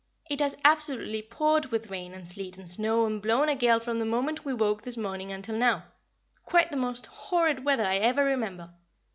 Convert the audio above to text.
It has absolutely poured with rain and sleet and snow and blown a gale from the moment we woke this morning until now quite the most horrid weather I ever remember.